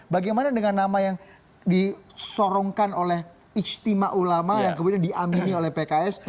bagaimana dengan nama yang disorongkan oleh istimewa ulama yang kemudian diamini oleh pks